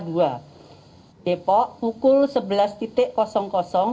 depok pukul sebelas dan akpiw